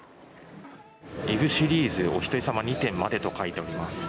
イブシリーズは、おひとり様２点までと書いております。